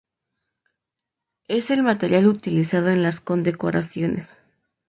Es el material utilizado en las condecoraciones.